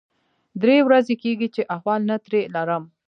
درې ورځې کېږي چې احوال نه ترې لرم.